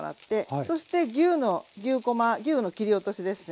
そして牛の牛こま牛の切り落としですね。